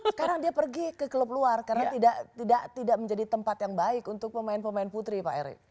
sekarang dia pergi ke klub luar karena tidak menjadi tempat yang baik untuk pemain pemain putri pak erick